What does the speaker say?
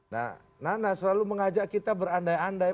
nah nana selalu mengajak kita berandai andai